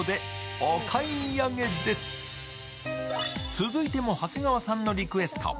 続いても長谷川さんのリクエスト。